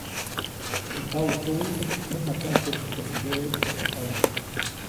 Teʼ paʼutuwi mäjatsaʼkotsäjkäsideʼe ʼijtyajpabä.